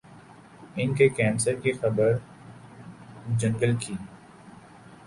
ان کے کینسر کی خبر جنگل کی